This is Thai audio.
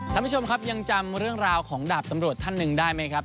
ท่านผู้ชมครับยังจำเรื่องราวของดาบตำรวจท่านหนึ่งได้ไหมครับ